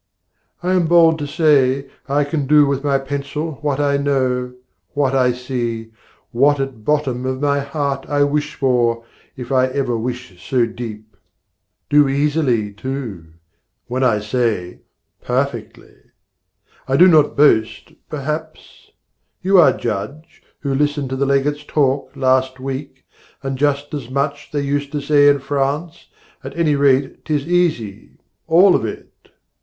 I am bold to say. I can do with my pencil what I know, What I see, what at bottom of my heart I wish for, if I ever wish so deep Do easily, too when I say, perfectly, I do not boast, perhaps: yourself are judge, Who listened to the Legate's talk last week, And just as much they used to say in France. At any rate 'tis easy, all of it!